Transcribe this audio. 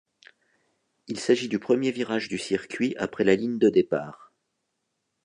Il s'agit du premier virage du circuit après la ligne de départ.